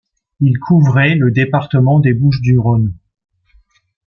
Il couvrait le département des Bouches-du-Rhône.